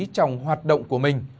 trong hoạt động của mình